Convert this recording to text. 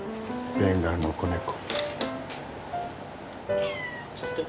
ベンガルの子ネコ。